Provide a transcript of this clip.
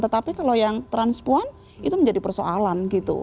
tetapi kalau yang transpuan itu menjadi persoalan gitu